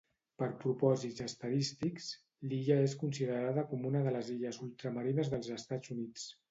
Per propòsits estadístics, l'illa és considerada com una de les illes Ultramarines dels Estats Units.